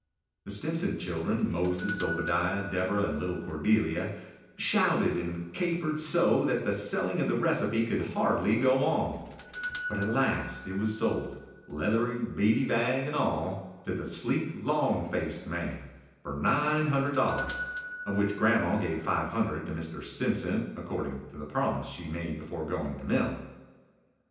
The Stimpcett children Moses, Obadiah, Deborah, and little Cordelia shouted and capered so that the selling of the recipe could hardly go on; but at last it was sold, leathery, beady bag and all, to the sleek, long faced man, for nine hundred dollars, of which grandma gave five hundred to Mr. Stimpcett, according to the promise she made before going to mill.